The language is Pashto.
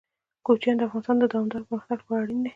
کوچیان د افغانستان د دوامداره پرمختګ لپاره اړین دي.